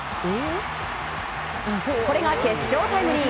これが決勝タイムリー。